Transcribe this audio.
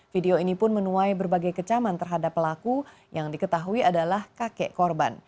video ini pun menuai berbagai kecaman terhadap pelaku yang diketahui adalah kakek korban